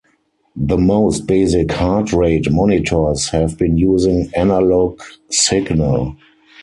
The most basic heart rate monitors have been using analog signal.